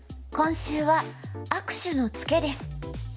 今週は「握手のツケ」です。